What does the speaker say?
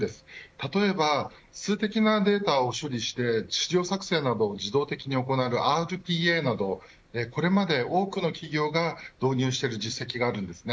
例えば数的なデータを処理して資料作成などを自動的に行うＲＰＡなどこれまで多くの企業が導入している実績があるんです。